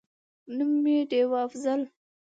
نوم: ډېوه«افضل»